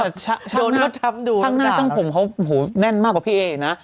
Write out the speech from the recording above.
โดนรถทับดูข้างหน้าช่างผมเขาแน่นมากกว่าพี่เอนะ